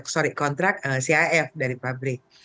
sorry kontrak cif dari pabrik